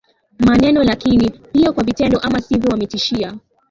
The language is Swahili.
maneno lakini pia kwa vitendo Ama sivyo wametishia